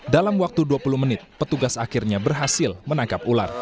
dalam waktu dua puluh menit petugas akhirnya berhasil menangkap ular